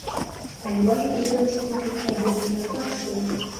Aliwahi kucheza timu ya taifa ya Burkina Faso.